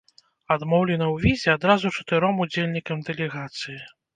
Адмоўлена ў візе адразу чатыром удзельнікам дэлегацыі.